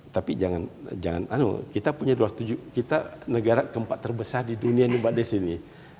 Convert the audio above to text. tapi jangan kita punya dua puluh tujuh kita negara keempat terbesar di dunia ini